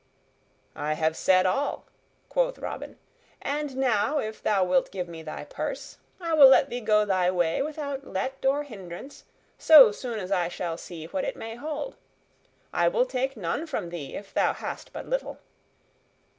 "I have said all," quoth Robin, "and now, if thou wilt give me thy purse, I will let thee go thy way without let or hindrance so soon as I shall see what it may hold. I will take none from thee if thou hast but little."